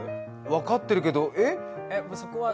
分かってるけど、え？